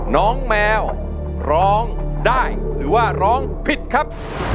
น้องแมวร้องได้หรือว่าร้องผิดครับ